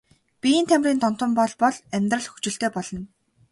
Биеийн тамирын донтон бол бол амьдрал хөгжилтэй болно.